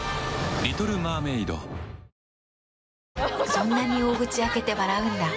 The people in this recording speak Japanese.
そんなに大口開けて笑うんだ。